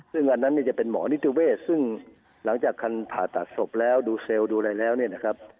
ซึ่งอันนั้นเนี่ยจะเป็นหมอนิติเวศซึ่งหลังจากคันผ่าตัดศพแล้วดูเซลล์ดูอะไรแล้วเนี่ยนะครับ